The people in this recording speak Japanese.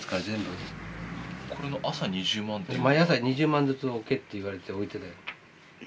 「毎朝２０万ずつ置け」って言われて置いてた。